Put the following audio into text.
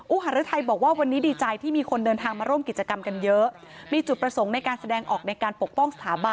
อุหารธัยบอกว่าวันนี้ดีใจที่มีคนเดินทางมาร่วมกิจกรรมกันเยอะ